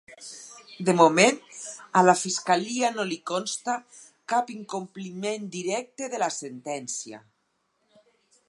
De moment, a la fiscalia no li consta cap incompliment directe de la sentència.